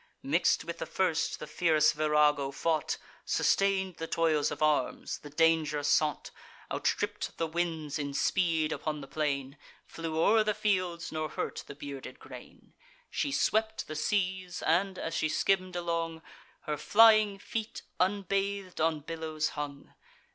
Mix'd with the first, the fierce Virago fought, Sustain'd the toils of arms, the danger sought, Outstripp'd the winds in speed upon the plain, Flew o'er the fields, nor hurt the bearded grain: She swept the seas, and, as she skimm'd along, Her flying feet unbath'd on billows hung.